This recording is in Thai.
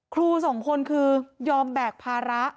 ครูสองคนคือยอมแบกภาระ